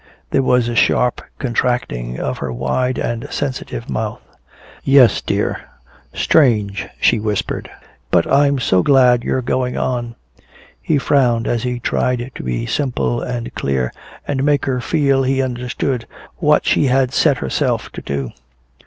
There was a sharp contracting of her wide and sensitive mouth. "Yes, dear, strange!" she whispered. "But I'm so glad you're going on." He frowned as he tried to be simple and clear, and make her feel he understood what she had set herself to do.